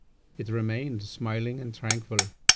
It remained smiling and tranquil.